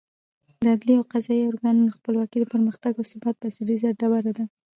د عدلي او قضايي ارګانونو خپلواکي د پرمختګ او ثبات بنسټیزه ډبره ده.